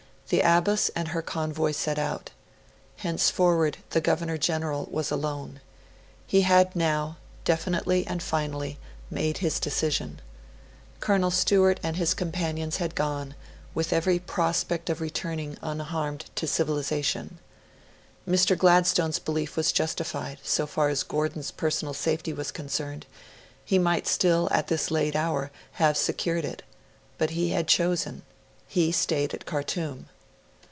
The Abbas and her convoy set out. Henceforward the Governor General was alone. He had now, definitely and finally, made his decision. Colonel Stewart and his companions had gone, with every prospect of returning unharmed to civilisation. Mr. Gladstone's belief was justified; so far as Gordon's personal safety was concerned, he might still, at this late hour, have secured it. But he had chosen he stayed at Khartoum.